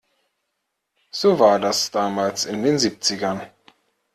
So war das damals in den Siebzigern.